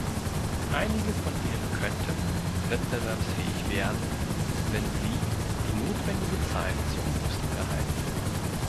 Einige von ihnen könnten wettbewerbsfähig werden, wenn sie die notwendige Zeit zur Umrüstung erhalten.